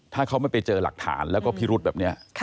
ถ้าเขาไม่ไปเจอหลักฐานแล้วก็พิรุธแบบนี้